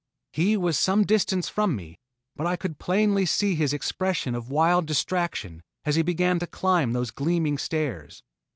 He was some distance from me, but I could plainly see his expression of wild distraction as he began to climb those gleaming stairs.